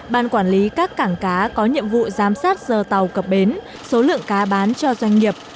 ban quản lý các cảng cá có nhiệm vụ giám sát giờ tàu cập bến số lượng cá bán cho doanh nghiệp